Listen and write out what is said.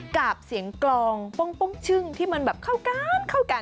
กับเสียงกรองป้องชึ้งที่เข้าการค่ะ